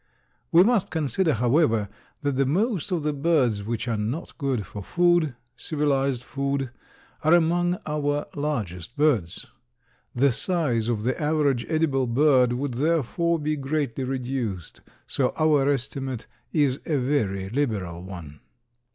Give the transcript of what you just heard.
We must consider, however, that the most of the birds which are not good for food, civilized food, are among our largest birds. The size of the average edible bird would therefore be greatly reduced, so our estimate is a very liberal one.